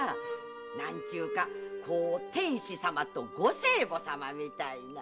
なんちゅうかこう天子様とご生母様みたいな。